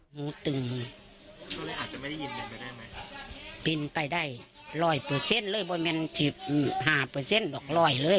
หูตึงอาจจะไม่ได้ยินไปได้ไหมปินไปได้ร้อยเปอร์เซ็นต์เลย